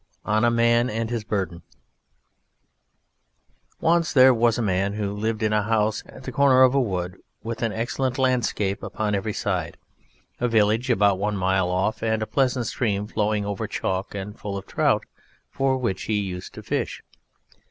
ON A MAN AND HIS BURDEN Once there was a Man who lived in a House at the Corner of a Wood with an excellent landscape upon every side, a village about one mile off, and a pleasant stream flowing over chalk and full of trout, for which he used to fish.